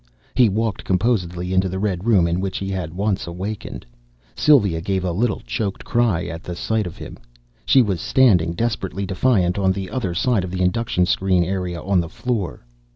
He walked composedly into the red room in which he had once awakened. Sylva gave a little choked cry at sight of him. She was standing, desperately defiant, on the other side of the induction screen area on the floor.